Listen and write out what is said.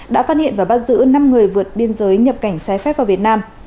đã phát hiện và bắt giữ năm người vượt biên giới nhập cảnh trái phép vào việt nam